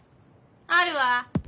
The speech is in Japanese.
あるわ。